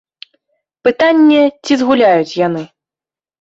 Пытанне, ці згуляюць яны.